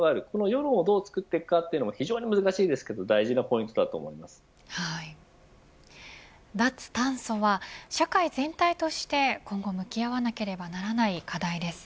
世論をどう作るかが非常に難しいですが脱炭素は社会全体として今後向き合わなければならない課題です。